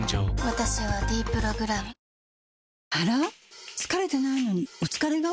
私は「ｄプログラム」あら？疲れてないのにお疲れ顔？